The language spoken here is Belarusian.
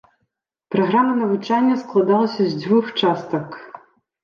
Праграма навучання складалася з дзвюх частак.